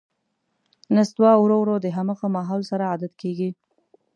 نستوه ورو ـ ورو د همغه ماحول سره عادت کېږي.